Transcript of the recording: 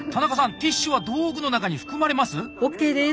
ティッシュは道具の中に含まれます？ＯＫです！